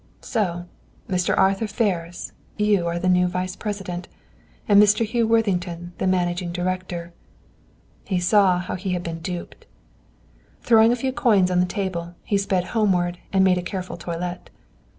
"So, Mr. Arthur Ferris, you are the new vice president, and Mr. Hugh Worthington the managing director." He saw how he had been duped. Throwing a few coins on the table, he sped homeward and made a careful toilet.